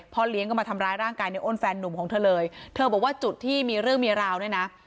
เลี้ยงก็มาทำร้ายร่างกายในอ้นแฟนนุ่มของเธอเลยเธอบอกว่าจุดที่มีเรื่องมีราวเนี่ยนะ